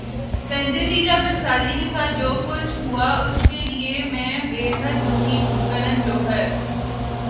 سنجے لیلا بھنسالی کے ساتھ جو کچھ ہوا اس سے میں بیحد دکھی ہوں: کرن جوہر